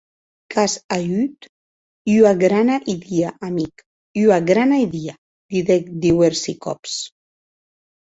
Qu’as auut ua grana idia, amic, ua grana idia, didec diuèrsi còps.